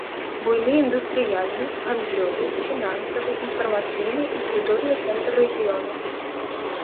Буйны індустрыяльны, гандлёвы, фінансавы, інфармацыйны і культурны цэнтр рэгіёна.